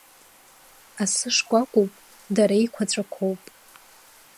Асы шкәакәоуп, дара еиқәаҵәақәоуп.